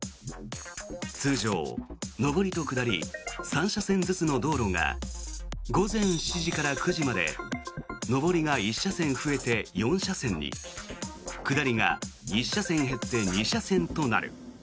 通常、上りと下り３車線ずつの道路が午前７時から９時まで上りが１車線増えて４車線に下りが１車線減って２車線となる。